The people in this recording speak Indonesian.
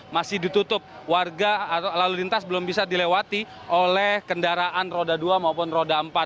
masih ditutup warga lalu lintas belum bisa dilewati oleh kendaraan roda dua maupun roda empat